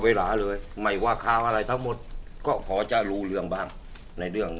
เวลาเลยไม่ว่าข่าวอะไรทั้งหมดก็พอจะรู้เรื่องบ้างในเรื่อง